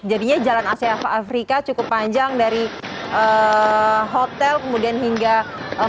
jadinya jalan asia afrika cukup panjang dari hotel kemudian hingga masuk ke jalan